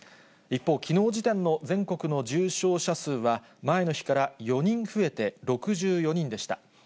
一方、きのう時点の全国の重症者数は、前の日から４人増えて６４人でした。